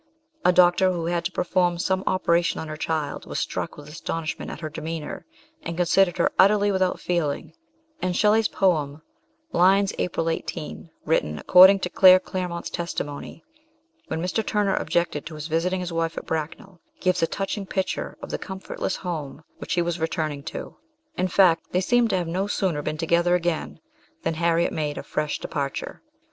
A doctor who had to perform some operation on her child was struck with astonishment at her demeanour, and considered her utterly without feeling, and Shelley's poem, "Lines, April 1814/' written, accord ing to Claire Clairmont's testimony, when Mr. Turner objected to his visiting his wife at Bracknell, gives a touching picture of the comfortless home which he was returning to ; in fact, they seem to have no sooner been together again than Harriet made a fresh de parture.